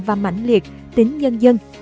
và mạnh liệt tính nhân dân